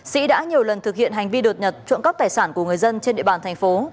sĩ đã nhiều lần thực hiện hành vi đột nhập trộm cắp tài sản của người dân trên địa bàn thành phố